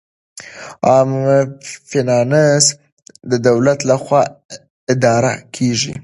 عامه فینانس د دولت لخوا اداره کیږي.